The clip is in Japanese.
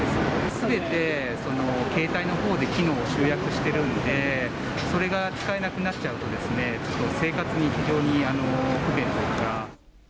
すべて携帯のほうで機能を集約しているんで、それが使えなくなっちゃうと、生活に非常に不便というか。